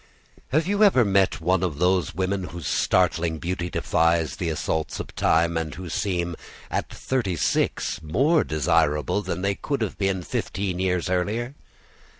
Have you ever met one of those women whose startling beauty defies the assaults of time, and who seem at thirty six more desirable than they could have been fifteen years earlier?